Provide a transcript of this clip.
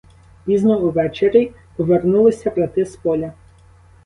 Пізно увечері повернулися брати з поля.